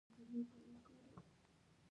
کتل د زړونو اړیکې ټینګوي